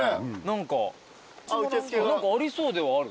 何かありそうではある。